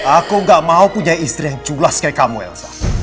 aku gak mau punya istri yang cublas kayak kamu elsa